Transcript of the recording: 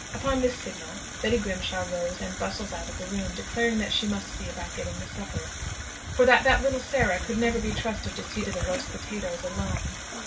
Upon this signal, Betty Grimshaw rose and bustled out of the room, declaring that she must see about getting the supper; for that that little Sarah could never be trusted to see to the roasted potatoes alone.